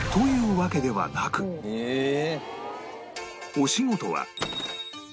お仕事は